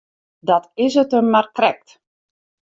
Dat is it him mar krekt.